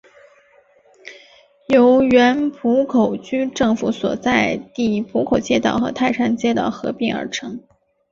由原浦口区政府所在地浦口街道和泰山街道合并而成。